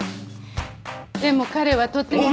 でも彼はとても。